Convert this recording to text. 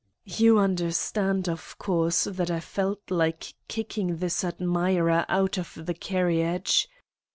"You understand, of course, that I felt like kicking this admirer out of the carriage